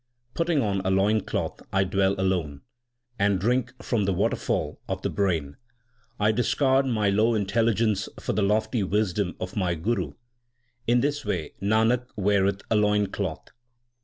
Putting on a loin cloth I dwell alone And drink from the waterfall 7 of the brain. I discard my low intelligence for the lofty wisdom of my Guru. In this way Nanak weareth a loin cloth.